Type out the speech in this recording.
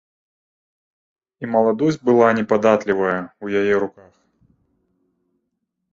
І маладосць была непадатлівая ў яе руках.